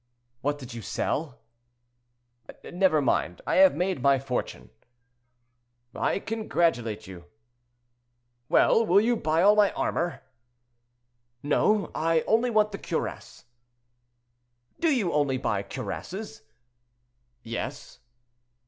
"What did you sell?" "Never mind; I have made my fortune."—"I congratulate you." "Well, will you buy all my armor?" "No, I only want the cuirass." "Do you only buy cuirasses?" "Yes."